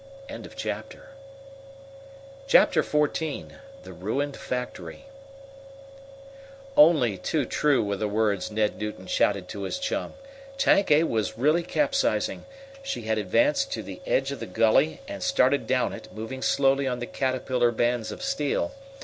Chapter XIV The Ruined Factory Only too true were the words Ned Newton shouted to his chum. Tank A was really capsizing. She had advanced to the edge of the gully and started down it, moving slowly on the caterpillar bands of steel.